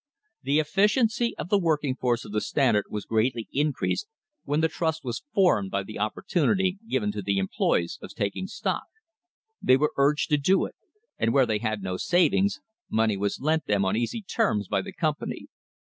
The efficiency of the working force of the Standard was greatly increased when the trust was formed by the opportu nity given to the employees of taking stock. They were urged to do it, and where they had no savings money was lent them on easy terms by the company.